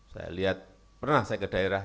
saya lihat pernah saya ke daerah